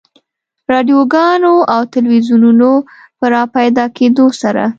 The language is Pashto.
رادیوګانو او تلویزیونونو په راپیدا کېدو سره.